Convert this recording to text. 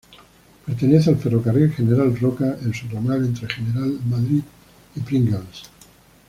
Pertenece al Ferrocarril General Roca en su ramal entre General La Madrid y Pringles.